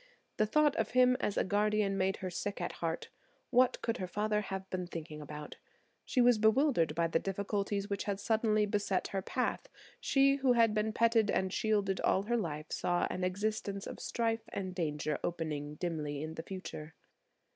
The thought of him as a guardian made her sick at heart. What could her father have been thinking about? She was bewildered by the difficulties which had suddenly beset her path. She who had been petted and shielded all her life saw an existence of strife and danger opening dimly in the future.